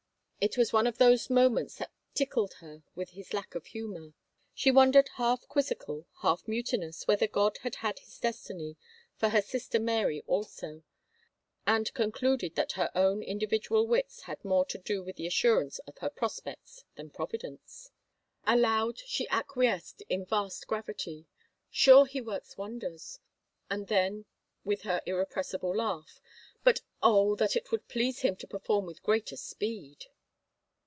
It was one of those moments that tickled her with his lack of humor. ... She wondered, half quizzical, half mutinous, whether God had had His destiny for her sister Mary also, and concluded that her own individual wits had more to do with the assurance of her prospects than Providence. Aloud she acquiesced, in vast gravity, " Sure He works wonders," and then, with her irrepressible laugh, " but oh, that it would please Him to perform with greater speed."